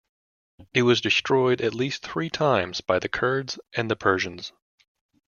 It was destroyed at least three times by the Kurds and the Persians.